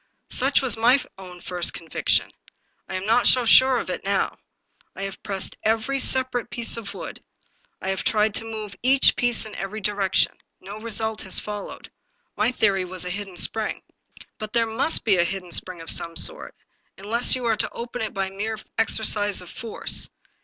" Such was my own first conviction. I am not so sure of it now. I have pressed every separate piece of wood; I have tried to move each piece in every direction. No result has followed. My theory was a hidden spring." " But there must be a hidden spring of some sort, un less you are to open it by a mere exercise of force.